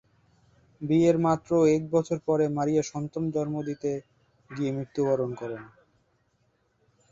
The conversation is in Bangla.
বিয়ের মাত্র এক বছর পরে মারিয়া সন্তান জন্ম দিতে গিয়ে মৃত্যুবরণ করেন।